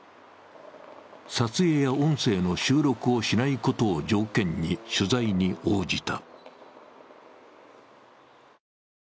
撮影や音声の収録をしないことを条件に取材に応じた。